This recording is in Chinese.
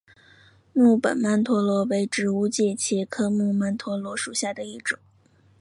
木本曼陀罗为植物界茄科木曼陀罗属下的一种。